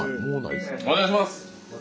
お願いします！